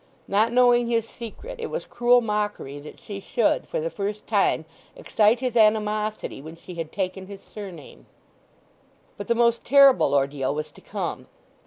Not knowing his secret it was cruel mockery that she should for the first time excite his animosity when she had taken his surname. But the most terrible ordeal was to come.